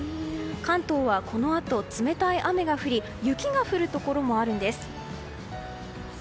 関東はこのあと、冷たい雨が降り雪が降るところもあるんです。